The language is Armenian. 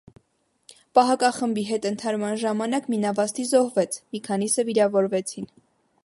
Պահակախմբի հետ ընդհարման ժամանակ մի նավաստի զոհվեց, մի քանիսը վիրավորվեցին։